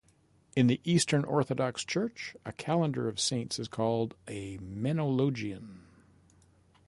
In the Eastern Orthodox Church, a calendar of saints is called a "Menologion".